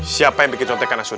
siapa yang bikin centekan asun